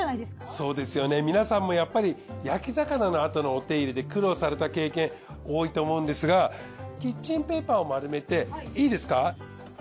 そうですよね皆さんもやっぱり焼き魚のあとのお手入れで苦労された経験多いと思うんですがキッチンペーパーを丸めていいですか。